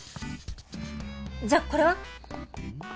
じゃこれは？